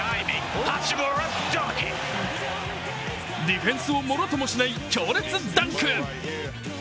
ディフェンスをもろともしない強烈ダンク。